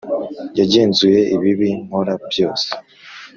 Yagenzuye ibibi nkora byose,